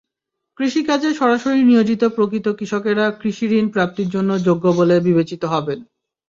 কৃষিকাজে সরাসরি নিয়োজিত প্রকৃত কৃষকেরা কৃষিঋণ প্রাপ্তির জন্য যোগ্য বলে বিবেচিত হবেন।